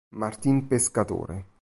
Martin pescatore